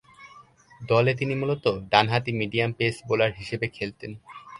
দলে তিনি মূলতঃ ডানহাতি মিডিয়াম পেস বোলার হিসেবে খেলতেন।